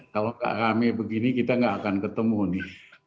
saya sudah lama tidak akan ketemu ini